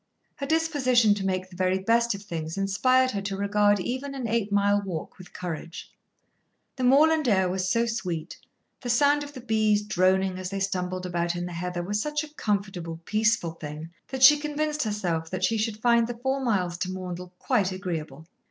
Her disposition to make the very best of things inspired her to regard even an eight mile walk with courage. The moorland air was so sweet, the sound of the bees droning as they stumbled about in the heather was such a comfortable, peaceful thing, that she convinced herself that she should find the four miles to Maundell quite agreeable.